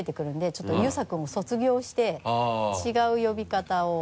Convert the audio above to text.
ちょっと「遊佐君」を卒業して違う呼び方を。